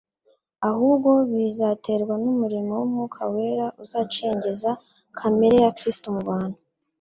ahubwo bizaterwa n'umurimo w'Umwuka wera uzacengeza kamere ya Kristo mu bantu.